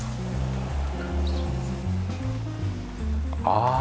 ああ！